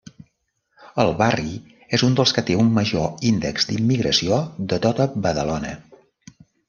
El barri és un dels que té un major índex d'immigració de tota Badalona.